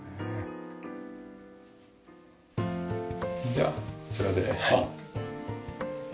じゃあこちらで。